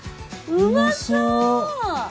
うまそう！